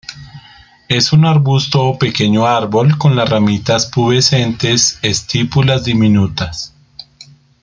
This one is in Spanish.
Es un arbusto o pequeño árbol con las ramitas pubescentes, estípulas diminutas.